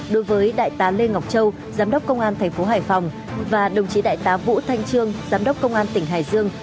đối với đại tá lê ngọc châu giám đốc công an thành phố hải phòng và đồng chí đại tá vũ thanh trương giám đốc công an tỉnh hải dương